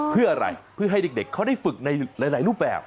เพื่ออะไรเพื่อให้เด็กเขาได้ฝึกในหลายรูปแบบ